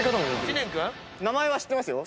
名前は知ってますよ。